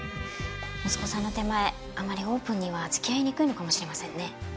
息子さんの手前あまりオープンには付き合いにくいのかもしれませんね。